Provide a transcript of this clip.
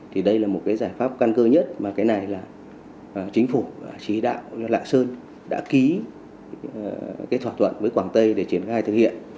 thì đây là một cái giải pháp căn cơ nhất mà cái này là chính phủ chỉ đạo lạng sơn đã ký thỏa thuận với quảng tây để triển khai thực hiện